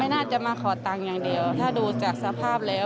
น่าจะมาขอตังค์อย่างเดียวถ้าดูจากสภาพแล้ว